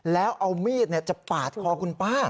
แล้วเอามีดจะปาดคอคุณป้า